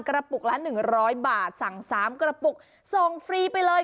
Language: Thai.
กระปุกละ๑๐๐บาทสั่ง๓กระปุกส่งฟรีไปเลย